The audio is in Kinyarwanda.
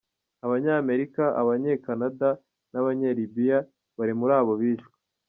Abanye Amerika, abanye Canada n'abanye Libya bari muri abo bishwe.